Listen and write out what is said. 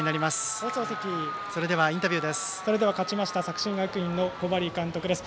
放送席、勝ちました作新学院の小針監督です。